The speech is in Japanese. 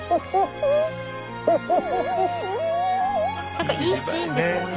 何かいいシーンですよね。